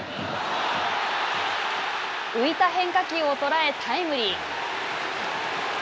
浮いた変化球を捉えタイムリー。